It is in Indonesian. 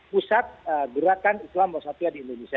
pusat gerakan islam wasatuya di indonesia